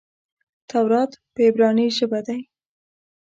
تورات په عبراني ژبه دئ.